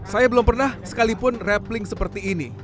saya belum pernah sekalipun rappling seperti ini